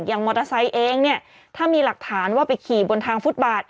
มอเตอร์ไซค์เองเนี่ยถ้ามีหลักฐานว่าไปขี่บนทางฟุตบาท